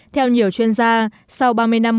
theo nhiều chuyên gia sau ba mươi năm mở